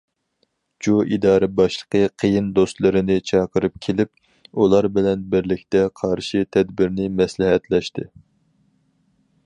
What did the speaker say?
جۇ ئىدارە باشلىقى يېقىن دوستلىرىنى چاقىرىپ كېلىپ، ئۇلار بىلەن بىرلىكتە قارشى تەدبىرنى مەسلىھەتلەشتى.